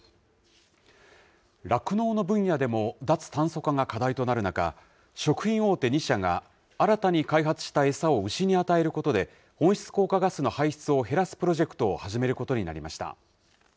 酪農の分野でも脱炭素化が課題となる中、食品大手２社が、新たに開発した餌を牛に与えることで、温室効果ガスの排出を減らすプロジェクトを始めることになりました。